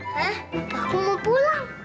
hah aku mau pulang